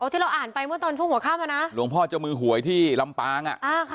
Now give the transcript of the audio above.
ที่เราอ่านไปเมื่อตอนช่วงหัวข้ามอ่ะนะหลวงพ่อเจ้ามือหวยที่ลำปางอ่ะ